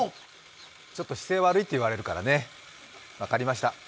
ちょっと姿勢悪いって言われるからね、分かりました。